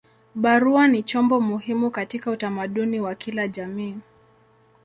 Barua ni chombo muhimu katika utamaduni wa kila jamii.